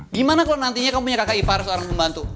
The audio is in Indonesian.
gimana kalau nantinya kamu punya kakak ipar seorang pembantu